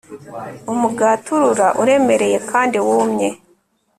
umugati urura uremereye kandi wumye